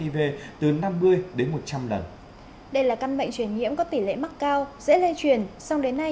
với sống khỏe mỗi ngày